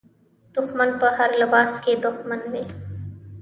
دښمن په هر لباس کې دښمن وي.